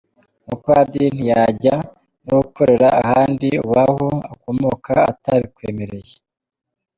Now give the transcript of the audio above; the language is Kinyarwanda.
Umupadiri ntiyajya no gukorera ahandi uw’aho ukomoka atabikwemereye.